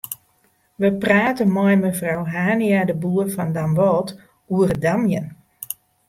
We prate mei mefrou Hania-de Boer fan Damwâld oer it damjen.